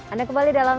anda kembali dalam